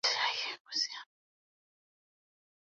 Of course sociologists should be public intellectuals.